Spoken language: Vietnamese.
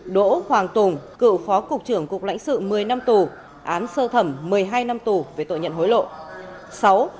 năm đỗ hoàng tùng cựu phó cục trưởng cục lãnh sự một mươi năm tù án sơ thẩm một mươi hai năm tù về tội nhận hối lộ